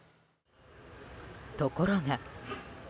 ところが。